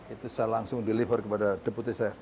itu saya langsung deliver kepada deputi saya